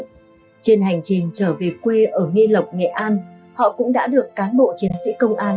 trên hành trình trở về quê ở nghi lộc nghệ an họ cũng đã được cán bộ chiến sĩ công an